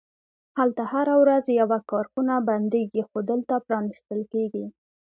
هلته هره ورځ یوه کارخونه بندیږي، خو دلته پرانیستل کیږي